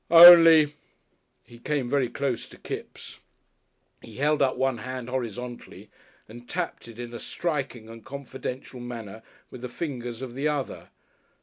Only " He came very close to Kipps. He held up one hand horizontally and tapped it in a striking and confidential manner with the fingers of the other.